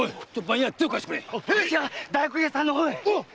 じゃ大黒屋さんの方へ！